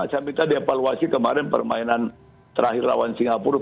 saya minta dia evaluasi kemarin permainan terakhir lawan singapura